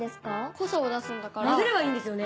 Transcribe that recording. ・・濃さを出すんだから・・混ぜればいいんですよね